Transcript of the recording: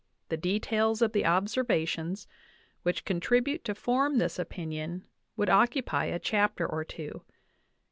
The details of the observations which contribute to form this opinion would occupy a chapter or two."